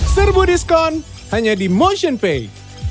serbu diskon hanya di motionpay